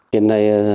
hiện nay sản phẩm